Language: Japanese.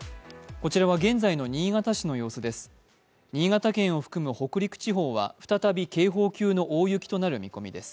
こちらは現在の新潟市の様子です。